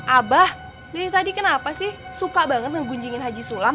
abah dari tadi kenapa sih suka banget ngegunjingin haji sulam